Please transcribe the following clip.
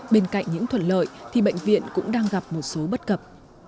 bên cạnh những thuận lợi thì bệnh viện cũng đang gặp một số bất cập